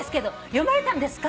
『読まれたんですか？